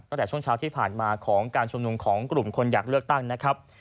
ตั้งแต่ช่วงเช้าที่ผ่านมาของการชุมนุมของกลุ่มคนอยากเลือกตั้งนะครับ